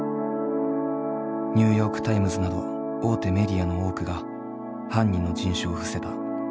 ニューヨークタイムズなど大手メディアの多くが犯人の人種を伏せた。